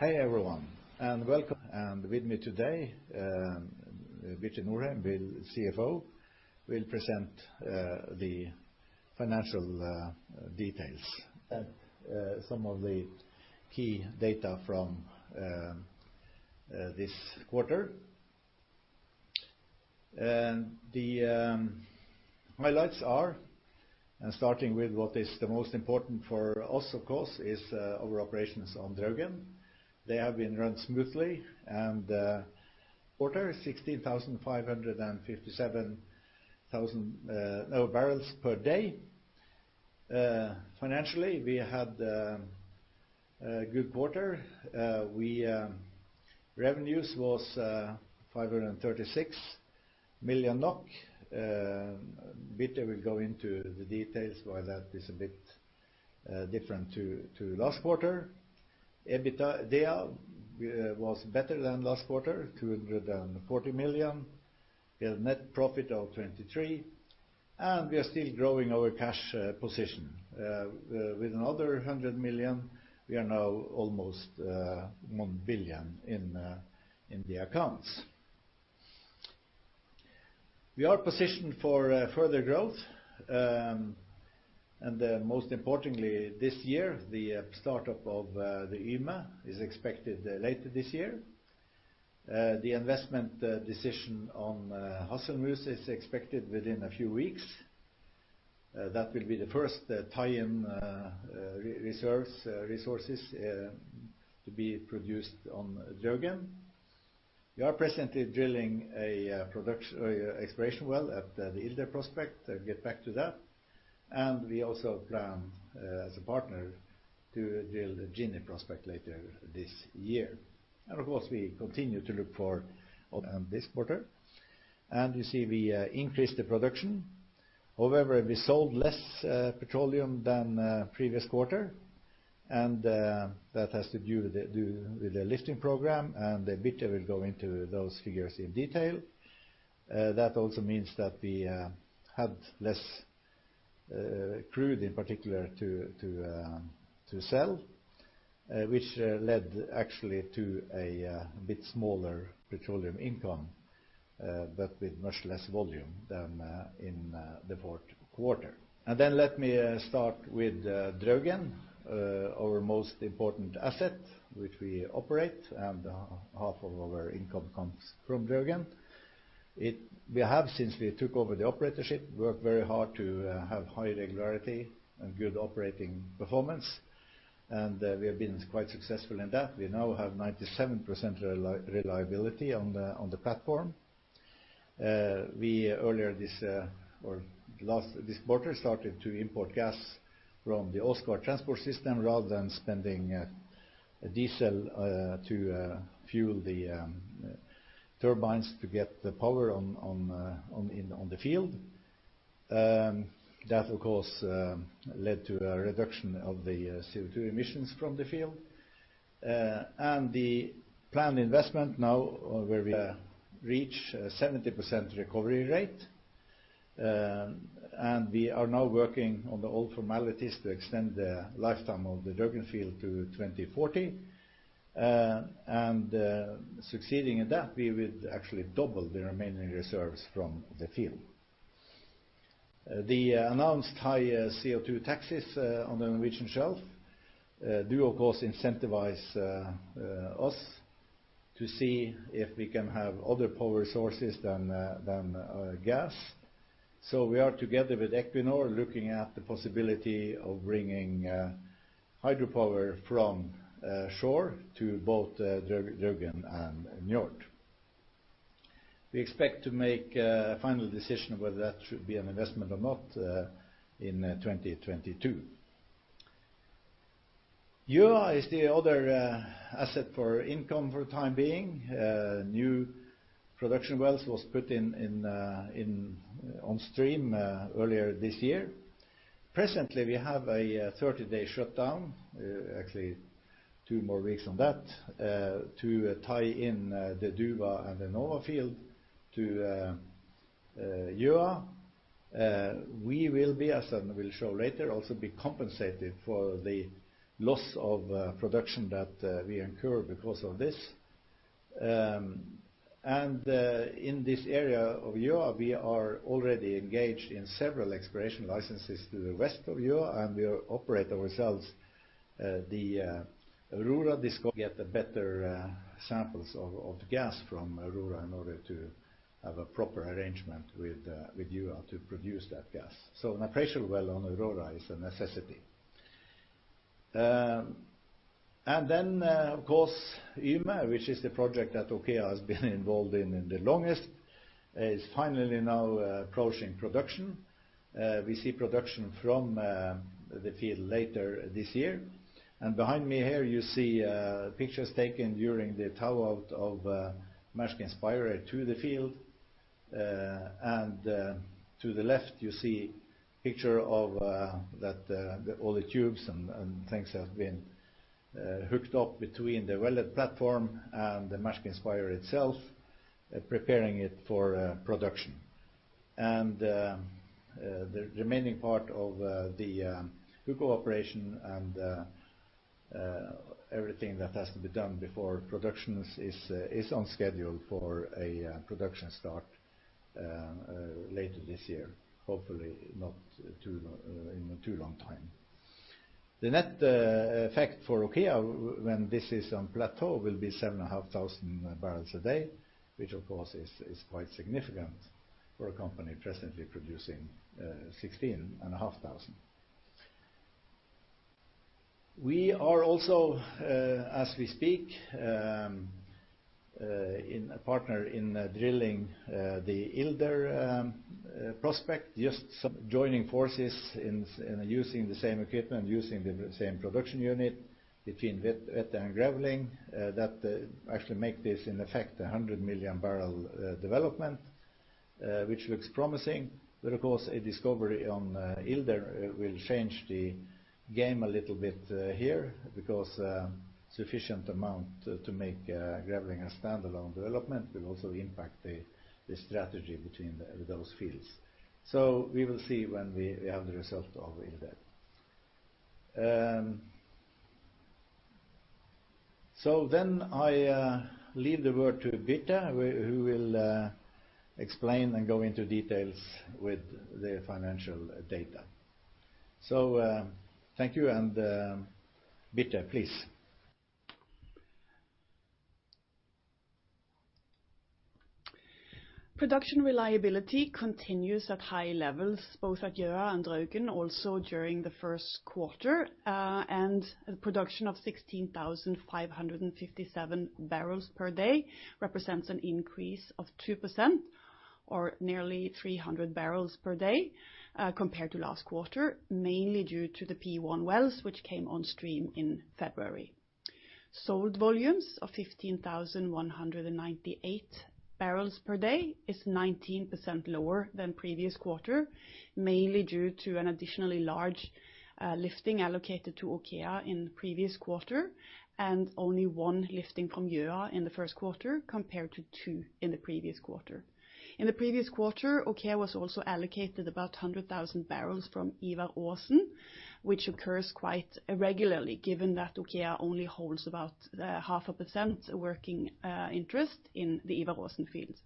Hey everyone, and welcome. With me today, Birte Norheim, the CFO, will present the financial details and some of the key data from this quarter. The highlights are, and starting with what is the most important for us, of course, is our operations on Draugen. They have been run smoothly, and the quarter is 16,557 thousand barrels per day. Financially, we had a good quarter. Revenues was 536 million NOK. Birte will go into the details why that is a bit different to last quarter. EBITDA was better than last quarter, 240 million. We had a net profit of 23 million, and we are still growing our cash position. With another 100 million, we are now almost 1 billion in the accounts. We are positioned for further growth, and most importantly this year, the startup of the Yme is expected later this year. The investment decision on Hasselmus is expected within a few weeks. That will be the first tie-in resources to be produced on Draugen. We are presently drilling an exploration well at the Ilse prospect. I'll get back to that. We also plan, as a partner, to drill the Ginny prospect later this year. Of course, we continue to look for—And this quarter. You see we increased the production. However, we sold less petroleum than the previous quarter, and that has to do with the lifting program, and Birte will go into those figures in detail. That also means that we had less crude, in particular, to sell, which led actually to a bit smaller petroleum income, but with much less volume than in the fourth quarter. Let me start with Draugen, our most important asset, which we operate, and half of our income comes from Draugen. We have, since we took over the operatorship, worked very hard to have high regularity and good operating performance, and we have been quite successful in that. We now have 97% reliability on the platform. We earlier this quarter started to import gas from the Åsgard Transport System rather than spending diesel to fuel the turbines to get the power on the field. That, of course, led to a reduction of the CO2 emissions from the field. The planned investment now where we reach 70% recovery rate, and we are now working on the old formalities to extend the lifetime of the Draugen field to 2040. Succeeding in that, we will actually double the remaining reserves from the field. The announced high CO2 taxes on the Norwegian shelf do, of course, incentivize us to see if we can have other power sources than gas. We are together with Equinor, looking at the possibility of bringing hydropower from shore to both Draugen and Njord. We expect to make a final decision whether that should be an investment or not in 2022. Gjøa is the other asset for income for the time being. New production wells was put on stream earlier this year. Presently, we have a 30-day shutdown, actually two more weeks on that, to tie in the Duva and the Nova field to Gjøa. We will be, as I will show later, also be compensated for the loss of production that we incur because of this. In this area of Gjøa, we are already engaged in several exploration licenses to the west of Gjøa, and we operate ourselves the Aurora discovery to get the better samples of the gas from Aurora in order to have a proper arrangement with Gjøa to produce that gas. An appraisal well on Aurora is a necessity. Of course, Yme, which is the project that OKEA has been involved in the longest. It's finally now approaching production. We see production from the field later this year. Behind me here, you see pictures taken during the tow out of Mærsk Inspirer to the field. To the left, you see picture of all the tubes and things have been hooked up between the well platform and the Mærsk Inspirer itself, preparing it for production. The remaining part of the hook-up operation and everything that has to be done before production is on schedule for a production start later this year, hopefully not in a too long time. The net effect for OKEA when this is on plateau will be 7,500 barrels a day, which, of course, is quite significant for a company presently producing 16,500. We are also, as we speak, in a partner in drilling the Ilder prospect, just some joining forces in using the same equipment, using the same production unit between Vette and Grevling that actually make this, in effect, 100-million-barrel development, which looks promising. Of course, a discovery on Ilder will change the game a little bit here because sufficient amount to make Grevling a standalone development will also impact the strategy between those fields. We will see when we have the result of Ilder. Then I leave the word to Birte, who will explain and go into details with the financial data. Thank you, and Birte, please. Production reliability continues at high levels both at Gjøa and Draugen also during the first quarter. The production of 16,557 barrels per day represents an increase of 2%, or nearly 300 barrels per day, compared to last quarter, mainly due to the P1 wells which came on stream in February. Sold volumes of 15,198 barrels per day is 19% lower than previous quarter, mainly due to an additionally large lifting allocated to OKEA in the previous quarter, and only one lifting from Gjøa in the first quarter compared to two in the previous quarter. In the previous quarter, OKEA was also allocated about 100,000 barrels from Ivar Aasen, which occurs quite regularly given that OKEA only holds about 0.5% working interest in the Ivar Aasen fields.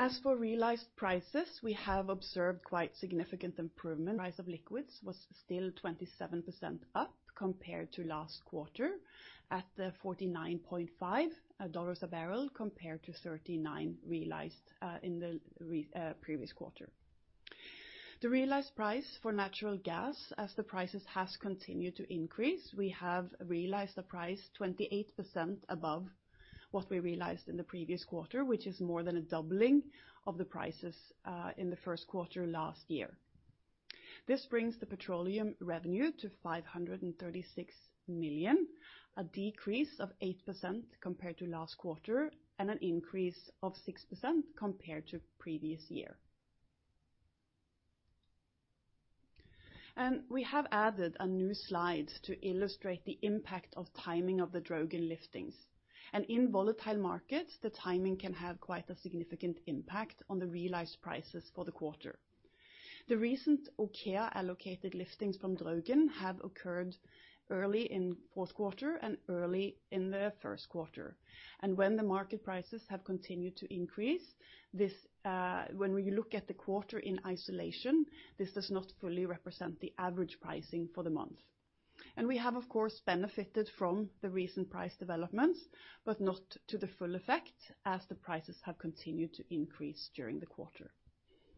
As for realized prices, we have observed quite significant improvement. Rise of liquids was still 27% up compared to last quarter at $49.50 a barrel, compared to $39 realized in the previous quarter. The realized price for natural gas as the prices has continued to increase, we have realized a price 28% above what we realized in the previous quarter, which is more than a doubling of the prices in the first quarter last year. This brings the petroleum revenue to 536 million, a decrease of 8% compared to last quarter and an increase of 6% compared to previous year. We have added a new slide to illustrate the impact of timing of the Draugen liftings. In volatile markets, the timing can have quite a significant impact on the realized prices for the quarter. The recent OKEA-allocated liftings from Draugen have occurred early in fourth quarter and early in the first quarter. When the market prices have continued to increase, when we look at the quarter in isolation, this does not fully represent the average pricing for the month. we have, of course, benefited from the recent price developments, but not to the full effect as the prices have continued to increase during the quarter.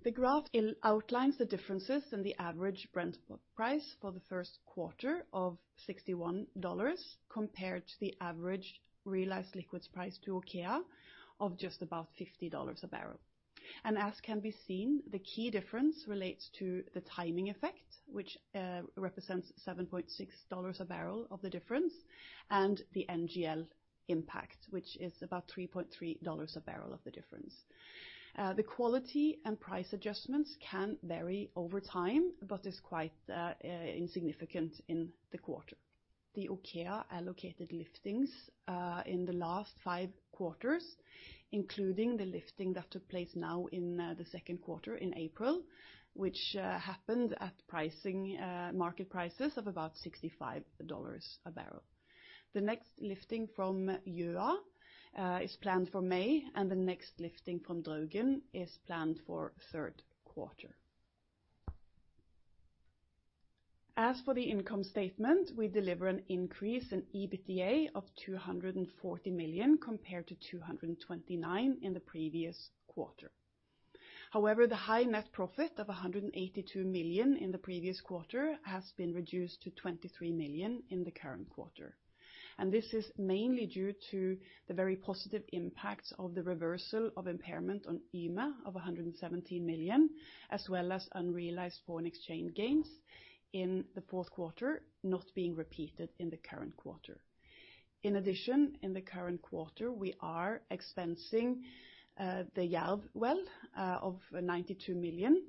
The graph outlines the differences in the average Brent price for the first quarter of NOK 61 compared to the average realized liquids price to OKEA of just about NOK 50 a barrel. as can be seen, the key difference relates to the timing effect, which represents NOK 7.60 a barrel of the difference, and the NGL impact, which is about NOK 3.30 a barrel of the difference. The quality and price adjustments can vary over time, but is quite insignificant in the quarter. The OKEA-allocated liftings in the last five quarters, including the lifting that took place now in the second quarter in April, which happened at pricing market prices of about $65 a barrel. The next lifting from Gjøa is planned for May, and the next lifting from Draugen is planned for third quarter. As for the income statement, we deliver an increase in EBITDA of 240 million compared to 229 in the previous quarter. However, the high net profit of 182 million in the previous quarter has been reduced to 23 million in the current quarter. This is mainly due to the very positive impacts of the reversal of impairment on Yme of 117 million, as well as unrealized foreign exchange gains in the fourth quarter not being repeated in the current quarter. In addition, in the current quarter, we are expensing the Jerv well of 92 million,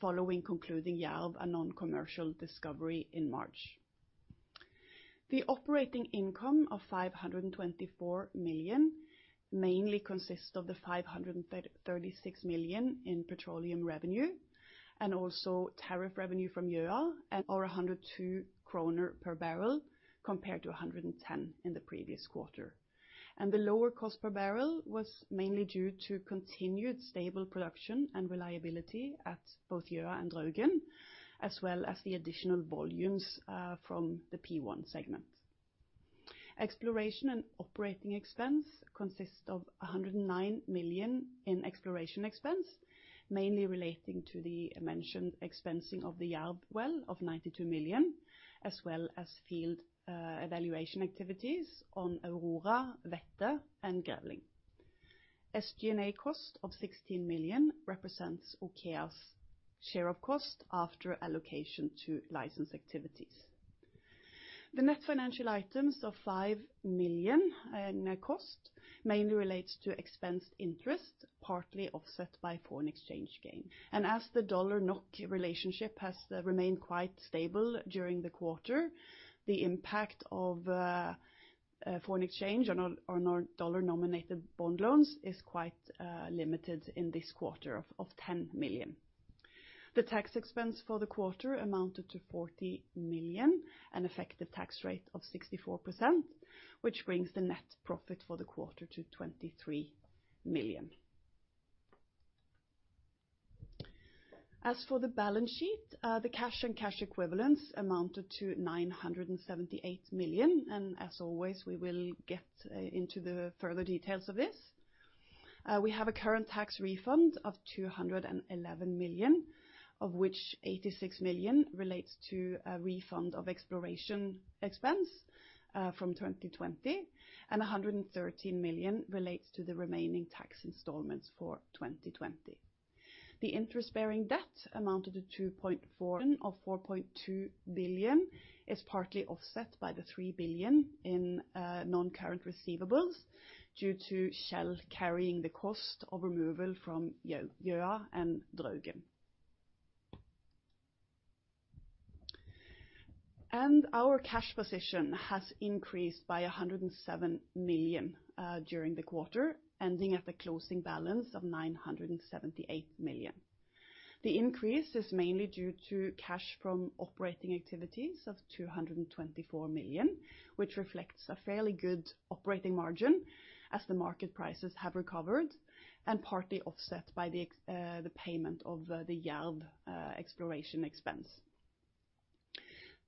following concluding Jerv a non-commercial discovery in March. The operating income of 524 million mainly consists of the 536 million in petroleum revenue and also tariff revenue from Gjøa and are 102 kroner per barrel compared to 110 in the previous quarter. The lower cost per barrel was mainly due to continued stable production and reliability at both Gjøa and Draugen, as well as the additional volumes from the P1 segment. Exploration and operating expense consists of 109 million in exploration expense, mainly relating to the mentioned expensing of the Jerv well of 92 million, as well as field evaluation activities on Aurora, Vette and Grevling. SG&A cost of 16 million represents OKEA's share of cost after allocation to license activities. The net financial items of 5 million in cost mainly relates to expensed interest, partly offset by foreign exchange gain. As the dollar/NOK relationship has remained quite stable during the quarter, the impact of foreign exchange on our dollar-denominated bond loans is quite limited in this quarter of $10 million. The tax expense for the quarter amounted to 40 million, an effective tax rate of 64%, which brings the net profit for the quarter to 23 million. As for the balance sheet, the cash and cash equivalents amounted to 978 million, and as always, we will get into the further details of this. We have a current tax refund of 211 million, of which 86 million relates to a refund of exploration expense from 2020, and 113 million relates to the remaining tax installments for 2020. The interest-bearing debt amounted to 2.4 million of 4.2 billion is partly offset by the 3 billion in non-current receivables due to Shell carrying the cost of removal from Gjøa and Draugen. Our cash position has increased by 107 million during the quarter, ending at the closing balance of 978 million. The increase is mainly due to cash from operating activities of 224 million, which reflects a fairly good operating margin as the market prices have recovered and partly offset by the payment of the Jerv exploration expense.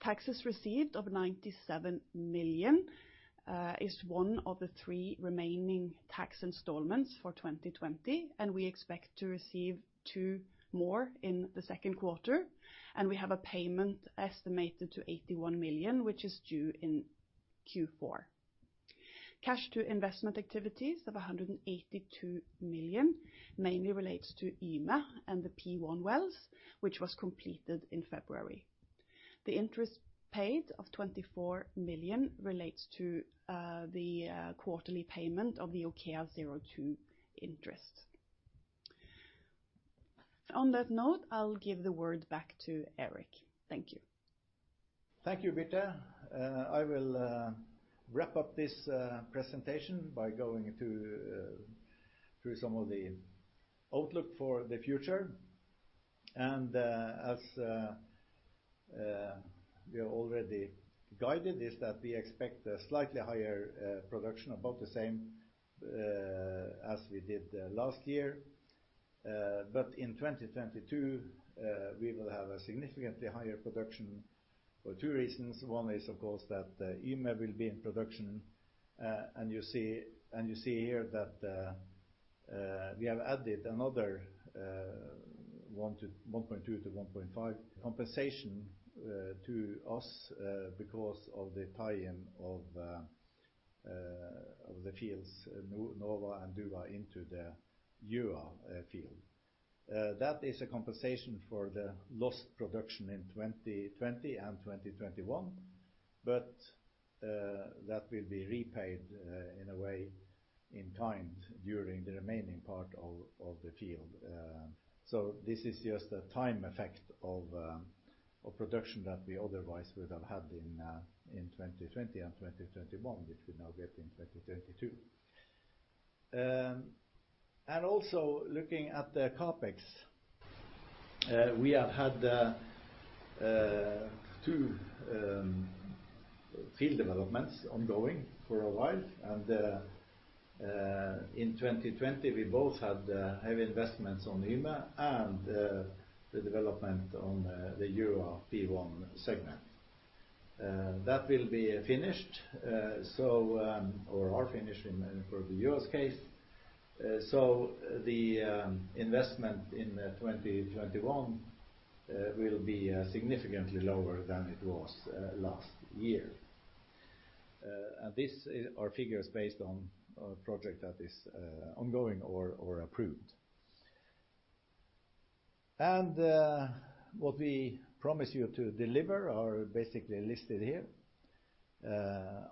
Taxes received of 97 million is one of the three remaining tax installments for 2020. We expect to receive two more in the second quarter. We have a payment estimated to 81 million, which is due in Q4. Cash to investment activities of 182 million mainly relates to Yme and the P1 wells, which was completed in February. The interest paid of 24 million relates to the quarterly payment of the OKEA02 interest. On that note, I'll give the word back to Erik. Thank you. Thank you, Birte. I will wrap up this presentation by going through some of the outlook for the future. As we have already guided, is that we expect a slightly higher production, about the same as we did last year. In 2022, we will have a significantly higher production for two reasons. One is, of course, that Yme will be in production. You see here that we have added another 1.2 to 1.5 compensation to us because of the tie-in of the fields Nova and Duva into the Gjøa field. That is a compensation for the lost production in 2020 and 2021, that will be repaid in a way in kind during the remaining part of the field. This is just a time effect of production that we otherwise would have had in 2020 and 2021, which we now get in 2022. Also looking at the CapEx, we have had two field developments ongoing for a while, and in 2020, we both had heavy investments on Yme and the development on the Gjøa P1 segment. That will be finished or are finished for the Gjøa's case. The investment in 2021 will be significantly lower than it was last year. These are figures based on a project that is ongoing or approved. What we promise you to deliver are basically listed here.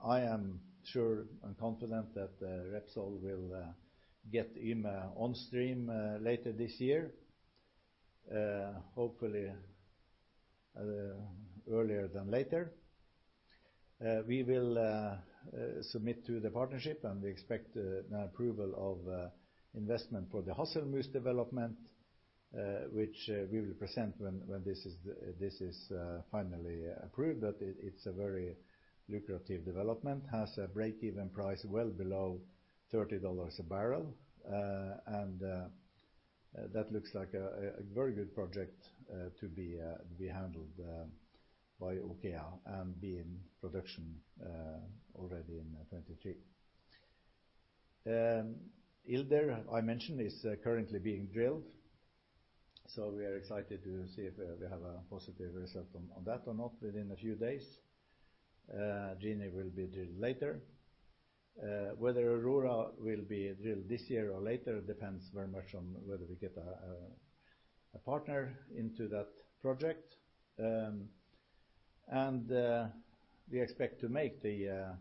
I am sure and confident that Repsol will get Yme on stream later this year. Hopefully, earlier than later. We will submit to the partnership and we expect an approval of investment for the Hasselmus development, which we will present when this is finally approved. it's a very lucrative development, has a break-even price well below $30 a barrel. That looks like a very good project to be handled by OKEA and be in production already in 2023. Ilder, I mentioned, is currently being drilled, so we are excited to see if we have a positive result on that or not within a few days. Ginny will be drilled later. Whether Aurora will be drilled this year or later depends very much on whether we get a partner into that project. We expect to make the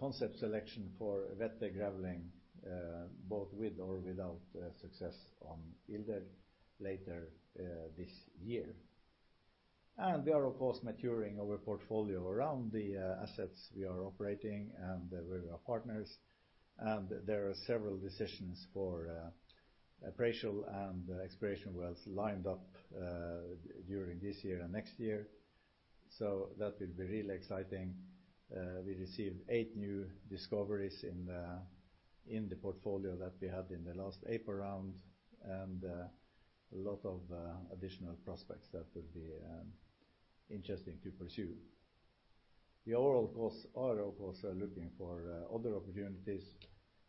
concept selection for Vette Grevling, both with or without success on Ilder later this year. We are, of course, maturing our portfolio around the assets we are operating and where we are partners, and there are several decisions for appraisal and exploration wells lined up during this year and next year. That will be really exciting. We received eight new discoveries in the portfolio that we had in the last APA round, and a lot of additional prospects that will be interesting to pursue. We are, of course, looking for other opportunities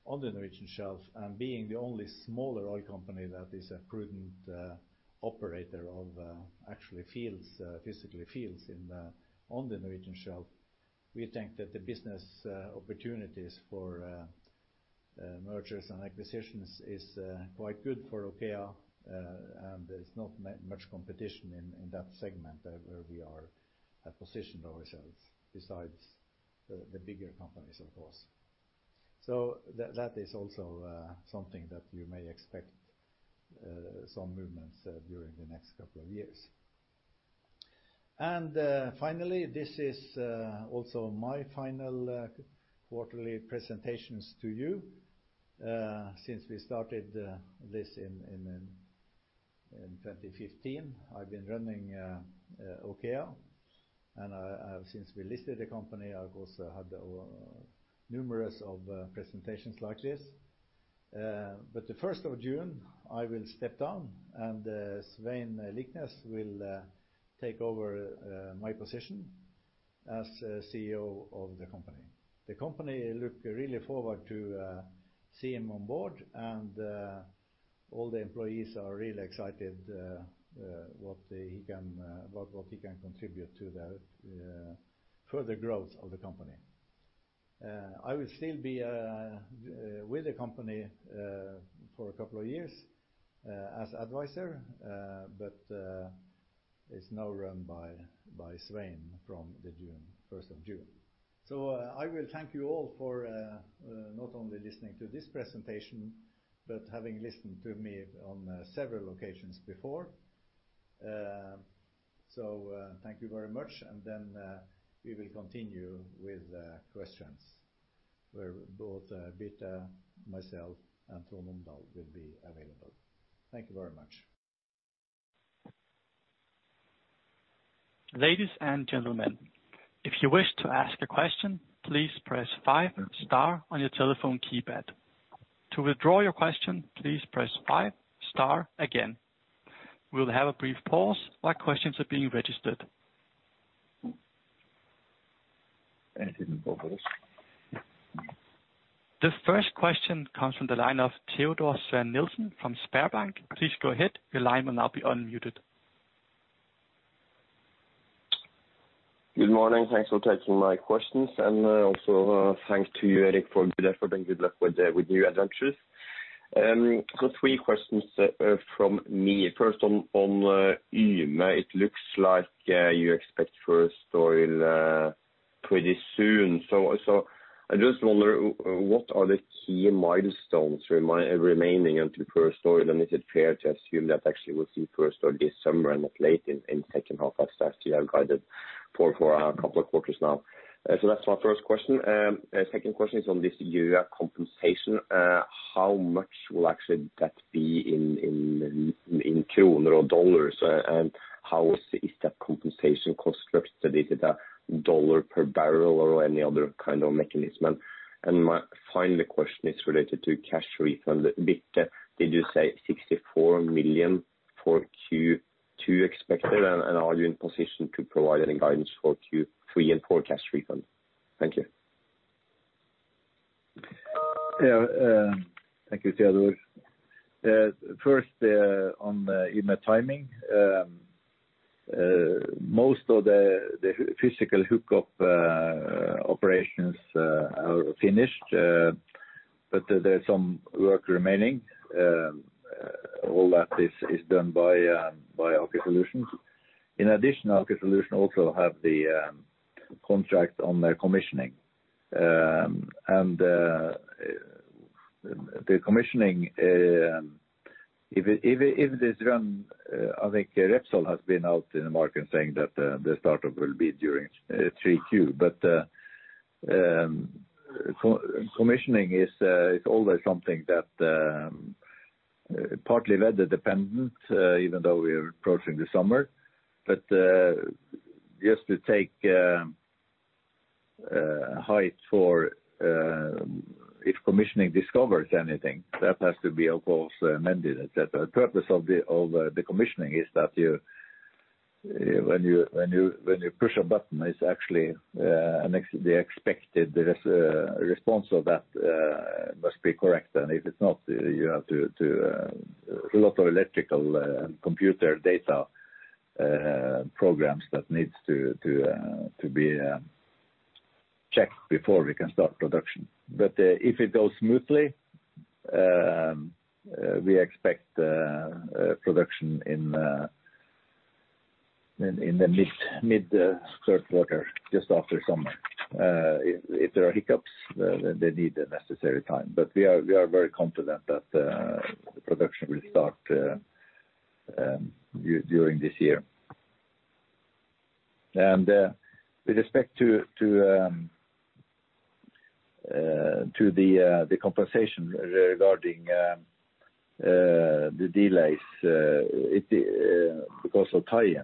on the Norwegian shelf. Being the only smaller oil company that is a prudent operator of actually physically fields on the Norwegian shelf, we think that the business opportunities for mergers and acquisitions is quite good for OKEA. There's not much competition in that segment where we have positioned ourselves besides the bigger companies, of course. That is also something that you may expect some movements during the next couple of years. Finally, this is also my final quarterly presentations to you since we started this in 2015. I've been running OKEA, and since we listed the company, I, of course, had numerous of presentations like this. The 1st of June, I will step down and Svein Liknes will take over my position as CEO of the company. The company look really forward to see him on board, and all the employees are really excited what he can contribute to the further growth of the company. I will still be with the company for a couple of years as advisor, but it's now run by Svein from the 1st of June. I will thank you all for not only listening to this presentation, but having listened to me on several occasions before. Thank you very much, and then we will continue with questions where both Birte, myself, and Trond Omdal will be available. Thank you very much. Ladies and gentlemen, if you wish to ask a question, please press five star on your telephone keypad. To withdraw your question, please press five star again. We'll have a brief pause while questions are being registered. Thank you. The first question comes from the line of Teodor Sveen-Nilsen from SpareBank. Please go ahead. Your line will now be unmuted. Good morning. Thanks for taking my questions. also thanks to you, Erik, for a good effort and good luck with your new adventures. Three questions from me. First on Yme, it looks like you expect first oil pretty soon. I just wonder, what are the key milestones remaining until first oil, and is it fair to assume that actually we'll see first oil this summer and not late in second half as you have guided for a couple of quarters now? That's my first question. Second question is on this Yme compensation. How much will actually that be in kroner or dollars? how is that compensation constructed? Is it a dollar per barrel or any other kind of mechanism? My final question is related to cash refund. Birte, did you say NOK 64 million for Q2 expected? Are you in position to provide any guidance for Q3 and forecast refund? Thank you. Yeah. Thank you, Teodor. First on the Yme timing. Most of the physical hookup operations are finished, but there's some work remaining. All that is done by Aker Solutions. In addition, Aker Solutions also have the contract on their commissioning. The commissioning, I think Repsol has been out in the market saying that the startup will be during Q3. Commissioning is always something that partly weather dependent, even though we are approaching the summer. Just to take height for if commissioning discovers anything, that has to be, of course, amended, et cetera. The purpose of the commissioning is that when you push a button, the expected response of that must be correct. If it's not, you have to do a lot of electrical and computer data programs that needs to be checked before we can start production. If it goes smoothly, we expect production in the mid third quarter, just after summer. If there are hiccups, they need the necessary time. We are very confident that the production will start during this year. With respect to the compensation regarding the delays because of tie-in,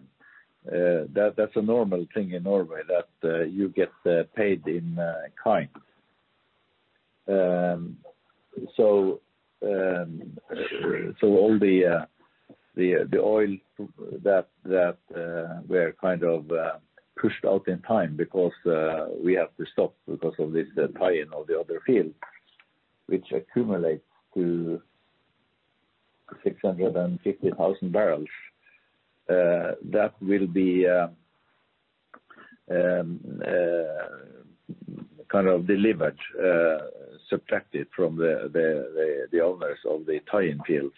that's a normal thing in Norway that you get paid in kind. All the oil that were kind of pushed out in time because we have to stop because of this tie-in of the other field, which accumulates to 650,000 barrels, that will be kind of delivered, subtracted from the owners of the tie-in fields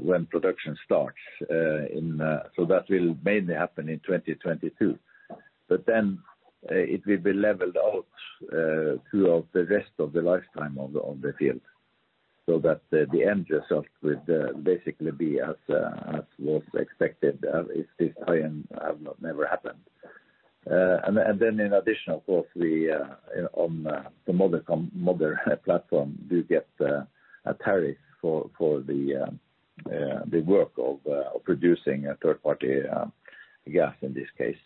when production starts. That will mainly happen in 2022. It will be leveled out throughout the rest of the lifetime on the field. That the end result will basically be as was expected as if this tie-in never happened. In addition, of course, on the mother platform, we get a tariff for the work of producing a third-party gas in this case.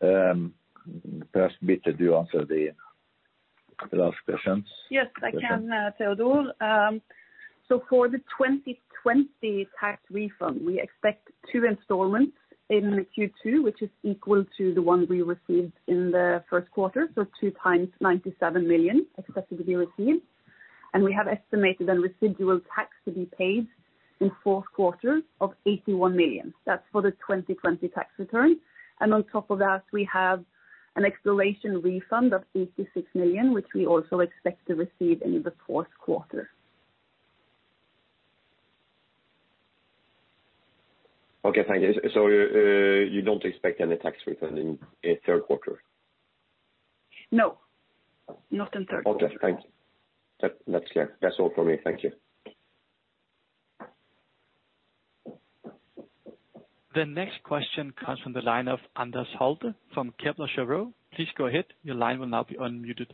Perhaps, Birte, do you answer the last questions? Yes, I can, Teodor. For the 2020 tax refund, we expect two installments in Q2, which is equal to the one we received in the first quarter. Two times 97 million expected to be received. We have estimated a residual tax to be paid in fourth quarter of 81 million. That's for the 2020 tax return. On top of that, we have an exploration refund of 86 million, which we also expect to receive in the fourth quarter. Okay, thank you. You don't expect any tax refund in third quarter? No, not in third quarter. Okay, thank you. That's clear. That's all from me. Thank you. The next question comes from the line of Anders Holte from Kepler Cheuvreux. Please go ahead. Your line will now be unmuted.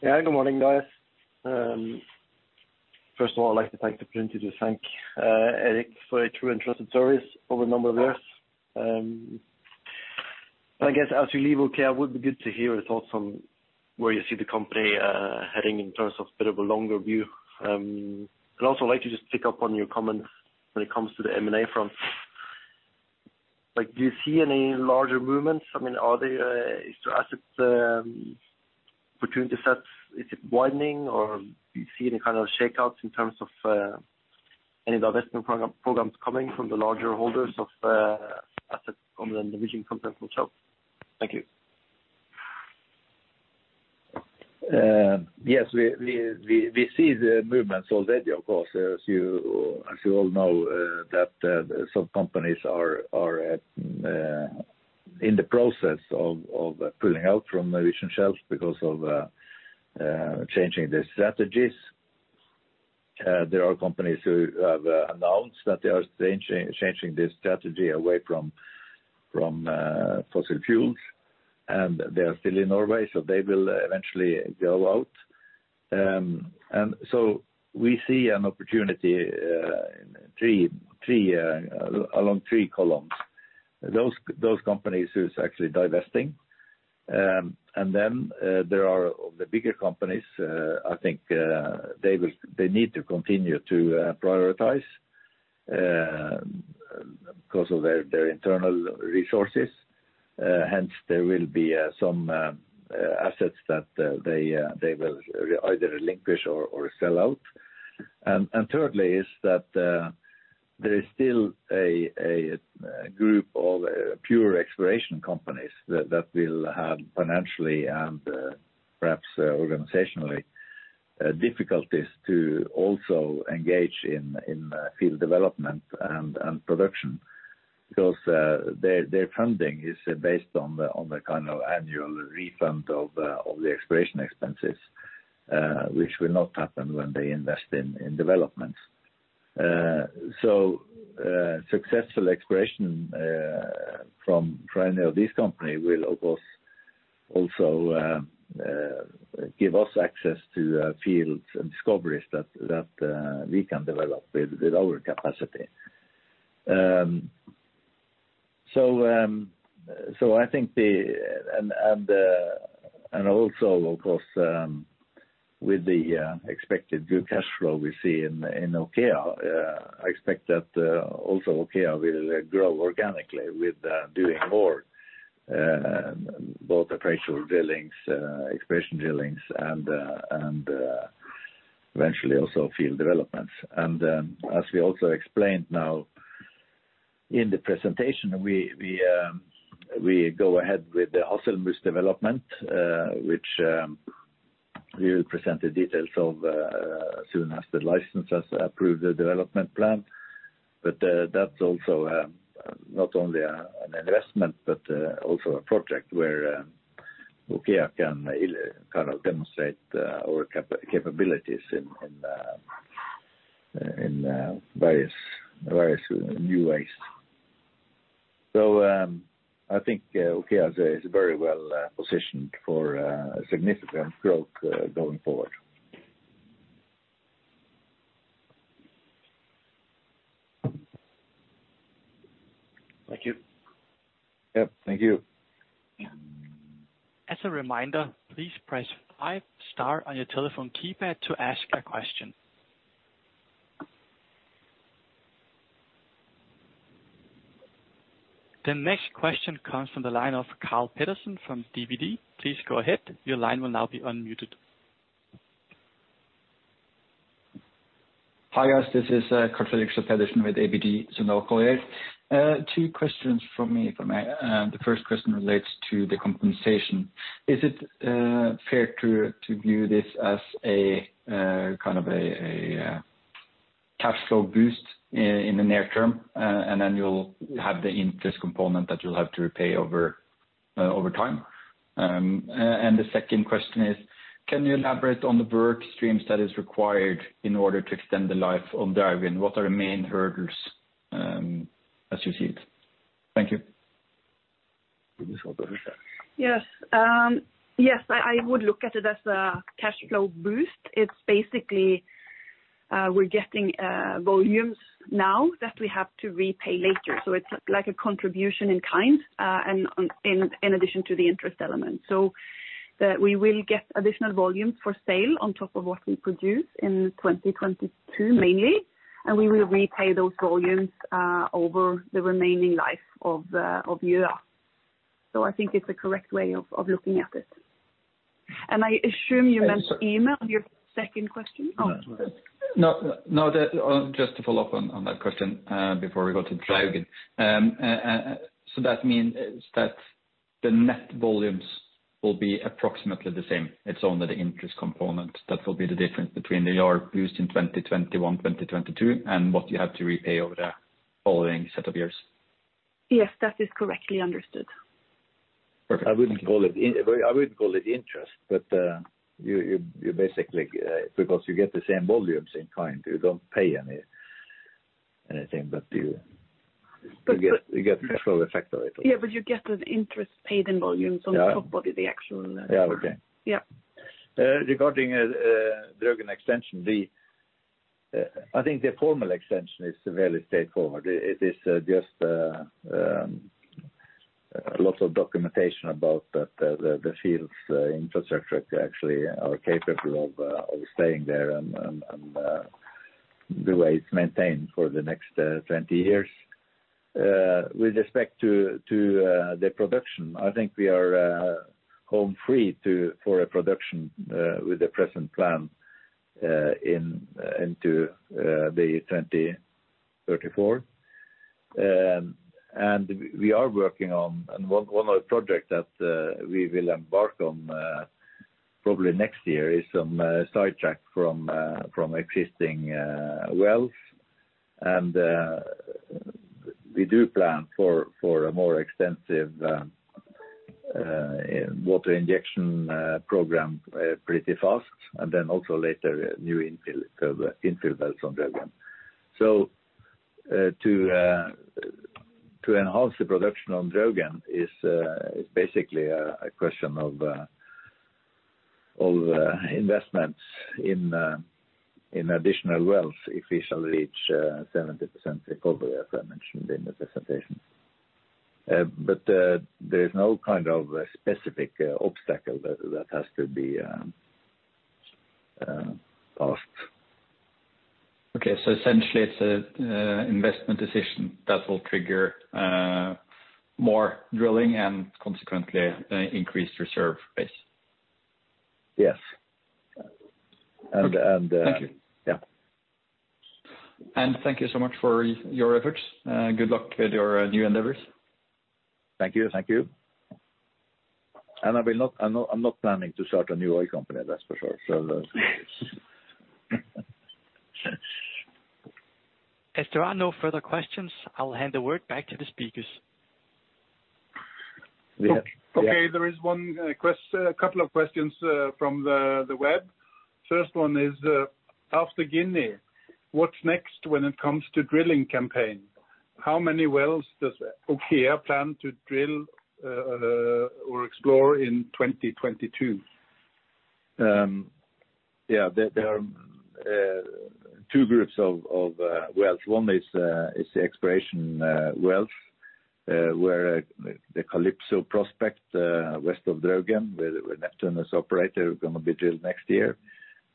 Yeah, good morning, guys. First of all, I'd like to take the opportunity to thank Erik for a true and trusted service over a number of years. I guess as you leave OKEA, it would be good to hear your thoughts on where you see the company heading in terms of bit of a longer view. I'd also like to just pick up on your comments when it comes to the M&A front. Do you see any larger movements? Is there assets between the sets, is it widening, or do you see any kind of shakeups in terms of any divestment programs coming from the larger holders of assets on the Norwegian Continental Shelf? Thank you. Yes, we see the movements already, of course. As you all know that some companies are in the process of pulling out from the Norwegian shelf because of changing their strategies. There are companies who have announced that they are changing their strategy away from fossil fuels, and they are still in Norway, so they will eventually go out. We see an opportunity along three columns. Those companies who's actually divesting. There are the bigger companies, I think they need to continue to prioritize because of their internal resources. Hence, there will be some assets that they will either relinquish or sell out. Thirdly is that there is still a group of pure exploration companies that will have financially and perhaps organizationally difficulties to also engage in field development and production, because their funding is based on the annual refund of the exploration expenses, which will not happen when they invest in developments. Successful exploration from any of these companies will, of course, also give us access to fields and discoveries that we can develop with our capacity. Also, of course, with the expected good cash flow we see in OKEA, I expect that also OKEA will grow organically with doing more, both appraisal drillings, exploration drillings, and eventually also field developments. As we also explained now in the presentation, we go ahead with the Hasselmus development, which we will present the details of as soon as the licenses approve the development plan. That's also not only an investment but also a project where OKEA can kind of demonstrate our capabilities in various new ways. I think OKEA is very well-positioned for significant growth going forward. Thank you. Yep. Thank you. As a reminder, please press five star on your telephone keypad to ask a question. The next question comes from the line of Carl Pedersen from ABG. Please go ahead. Your line will now be unmuted. Hi, guys. This is Carl Fredrik with ABG, so now OKEA. Two questions from me. The first question relates to the compensation. Is it fair to view this as a kind of cash flow boost in the near term, and then you will have the interest component that you'll have to repay over time? The second question is, can you elaborate on the work streams that is required in order to extend the life of the Draugen? What are the main hurdles as you see it? Thank you. You just want to answer. Yes. I would look at it as a cash flow boost. It's basically we're getting volumes now that we have to repay later. It's like a contribution in kind, and in addition to the interest element. We will get additional volumes for sale on top of what we produce in 2022 mainly, and we will repay those volumes over the remaining life of year. I think it's a correct way of looking at it. I assume you meant Yme, your second question? No, just to follow up on that question before we go to Draugen. That means that the net volumes will be approximately the same. It's only the interest component that will be the difference between the EUR boost in 2021, 2022, and what you have to repay over the following set of years. Yes, that is correctly understood. Perfect. I wouldn't call it interest, because you get the same volumes in kind. You don't pay anything, but you get cash flow effect of it. Yeah, you get those interest paid in volumes- Yeah On top of the actual amount. Yeah, okay. Yeah. Regarding Draugen extension, I think the formal extension is very straightforward. It is just lots of documentation about the field's infrastructure actually are capable of staying there and the way it's maintained for the next 20 years. With respect to the production, I think we are home free for a production with the present plan into the 2034. We are working on one other project that we will embark on probably next year is some sidetrack from existing wells. We do plan for a more extensive water injection program pretty fast, and then also later new infill wells on Draugen. To enhance the production on Draugen is basically a question of investments in additional wells if we shall reach 70% recovery, as I mentioned in the presentation. There is no kind of specific obstacle that has to be passed. Okay. Essentially it's an investment decision that will trigger more drilling and consequently increased reserve base. Yes. Okay. Thank you. Yeah. Thank you so much for your efforts. Good luck with your new endeavors. Thank you. I'm not planning to start a new oil company, that's for sure. As there are no further questions, I'll hand the word back to the speakers. Yeah. Okay. There is a couple of questions from the web. First one is, after Ginny, what's next when it comes to drilling campaign? How many wells does OKEA plan to drill or explore in 2022? There are two groups of wells. One is the exploration wells, where the Calypso prospect west of Draugen with Neptune operator going to be drilled next year.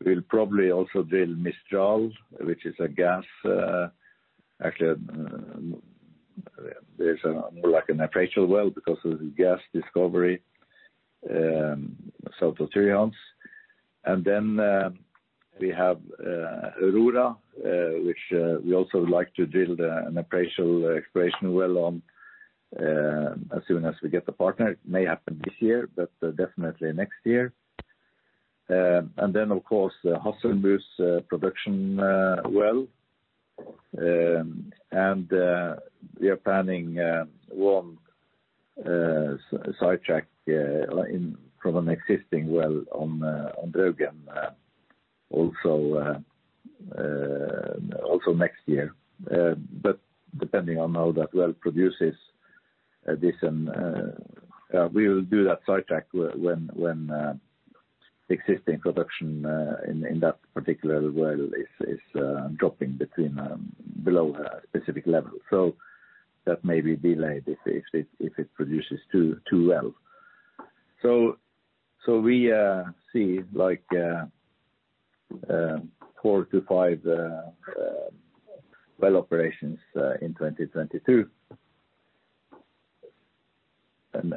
We'll probably also drill Mistral, which is a gas. Actually, there's more like an appraisal well because of the gas discovery south of Tyrihans. We have Aurora, which we also would like to drill an appraisal exploration well on as soon as we get the partner. It may happen this year, but definitely next year. Of course, the Hasselmus production well. We are planning one sidetrack from an existing well on Draugen also next year. Depending on how that well produces addition, we will do that sidetrack when existing production in that particular well is dropping below a specific level. That may be delayed if it produces too well. We see four to five well operations in 2022.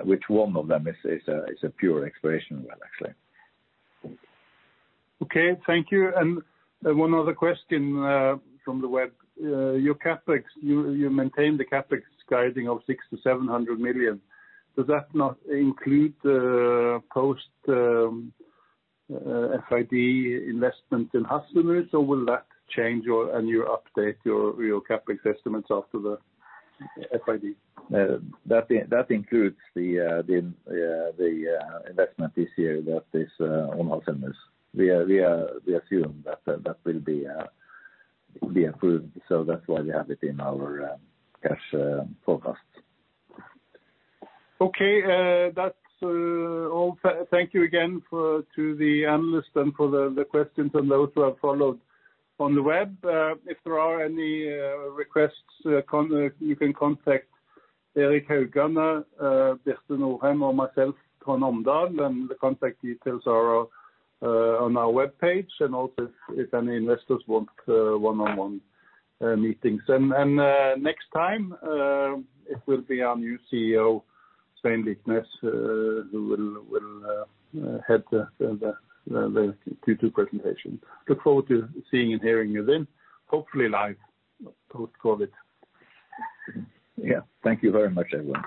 Which one of them is a pure exploration well, actually. Okay, thank you. One other question from the web. Your CapEx, you maintain the CapEx guiding of 600million-700 million. Does that not include post-FID investment in Hasselmus, or will that change and you update your CapEx estimates after the FID? That includes the investment this year that is on Hasselmus. We assume that will be approved, so that's why we have it in our cash forecast. Okay. That's all. Thank you again to the analysts and for the questions and those who have followed on the web. If there are any requests, you can contact Erik Haugane, Birte Norheim or myself, Trond Omdal, and the contact details are on our webpage. Also if any investors want one-on-one meetings. Next time, it will be our new CEO, Svein Liknes who will head the Q2 presentation. Look forward to seeing and hearing you then, hopefully live post-COVID. Yeah. Thank you very much, everyone.